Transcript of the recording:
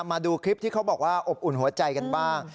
มาดูคลิปที่เขาบอกว่าอบอุ่นหัวใจกันบ้าง